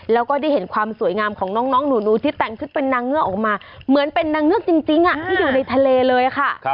แล้วก็ได้เห็นความสวยงามของน้องหนูที่แต่งชุดเป็นนางเงือกออกมาเหมือนเป็นนางเงือกจริงที่อยู่ในทะเลเลยค่ะ